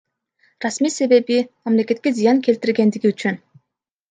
Расмий себеби — мамлекетке зыян келтиргендиги үчүн.